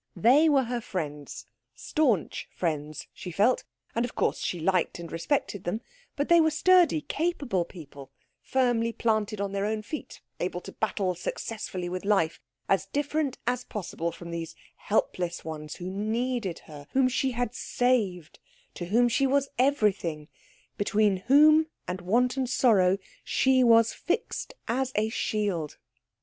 They were her friends, staunch friends, she felt, and of course she liked and respected them; but they were sturdy, capable people, firmly planted on their own feet, able to battle successfully with life as different as possible from these helpless ones who needed her, whom she had saved, to whom she was everything, between whom and want and sorrow she was fixed as a shield.